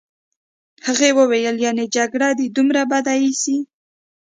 هغې وویل: یعني جګړه دي دومره بده ایسي.